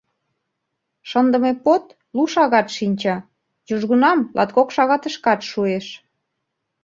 Шындыме под лу шагат шинча: южгунам латкок шагатышкат шуэш.